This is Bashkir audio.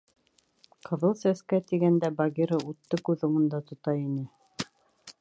«Ҡыҙыл Сәскә» тигәндә Багира утты күҙ уңында тота ине.